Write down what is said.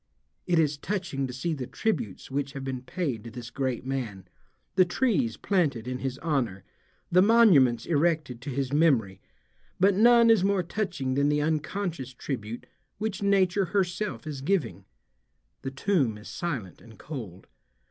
It is touching to see the tributes which have been paid to this great man, the trees planted in his honor, the monuments erected to his memory, but none is more touching than the unconscious tribute which nature herself is giving. The tomb is silent and cold.